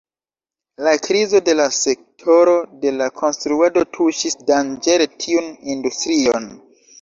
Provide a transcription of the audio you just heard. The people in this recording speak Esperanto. La krizo de la sektoro de la konstruado tuŝis danĝere tiun industrion.